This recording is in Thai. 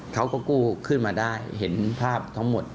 เขาก็กู้ขึ้นมาได้เห็นภาพทั้งหมด